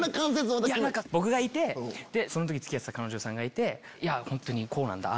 僕がいてその時付き合ってた彼女さんがいて本当こうなんだああ